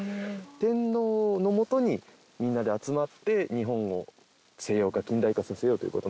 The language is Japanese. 天皇のもとにみんなで集まって日本を西洋化近代化させようという事なんですよね。